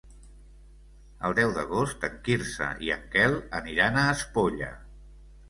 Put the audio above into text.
El deu d'agost en Quirze i en Quel aniran a Espolla.